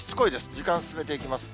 時間進めていきます。